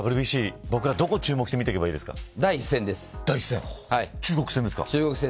工藤さん、ＷＢＣ僕ら、どこに注目して見ればいいですか。